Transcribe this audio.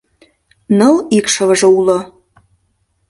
Ныл икшывыже уло.